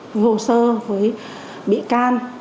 với hồ sơ với bị can